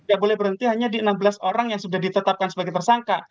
tidak boleh berhenti hanya di enam belas orang yang sudah ditetapkan sebagai tersangka